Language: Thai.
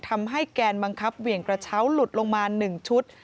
แกนบังคับเหวี่ยงกระเช้าหลุดลงมา๑ชุด